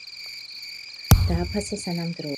დააფასე სანამ დროა